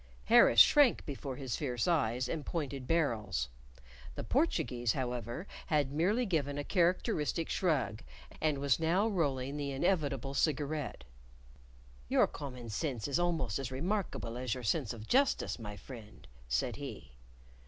Harris shrank before his fierce eyes and pointed barrels. The Portuguese, however, had merely given a characteristic shrug, and was now rolling the inevitable cigarette. "Your common sense is almost as remarkable as your sense of justice, my friend," said he.